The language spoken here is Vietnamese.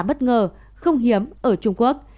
bất ngờ không hiếm ở trung quốc